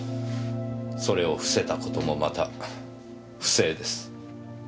それをふせた事もまた不正です。